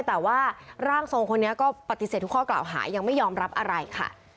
แต่ว่าร่างทรงคนนี้ก็ปฏิเสธทุกข้อกล่าวหายังไม่ยอมรับอะไรค่ะ